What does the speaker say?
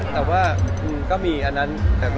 แต่ว่าก็มีอันนั้น